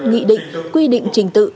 nghị định quy định trình tự